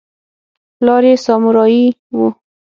پلار یې سامورايي و.